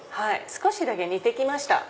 少しだけ似て来ました。